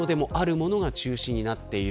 ものが中止になっている。